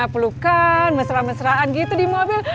pelukan mesra mesraan gitu di mobil